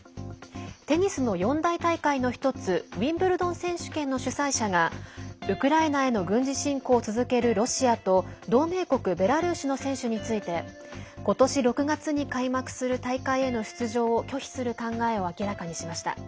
テニスの四大大会の１つウィンブルドン選手権の主催者がウクライナへの軍事侵攻を続けるロシアと同盟国ベラルーシの選手についてことし６月に開幕する大会への出場を拒否する考えを明らかにしました。